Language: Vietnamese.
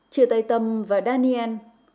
chịu tây tâm và danien